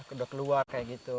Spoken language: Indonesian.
udah keluar kayak gitu